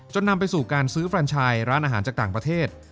นำไปสู่การซื้อแฟนชายร้านอาหารจากต่างประเทศ